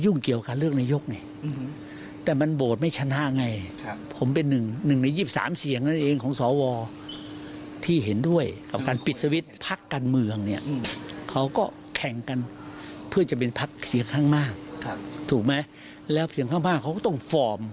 ถูกไหมแล้วเพียงข้างบ้างเขาก็ต้องฟอร์ม